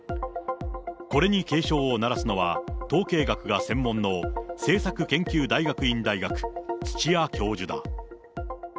これに警鐘を鳴らすのは、統計学が専門の、政策研究大学院大学、土谷教授だ。